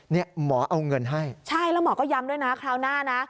หมอเอาเงินให้ใช่แล้วหมอก็ย้ำด้วยนะคราวหน้านะ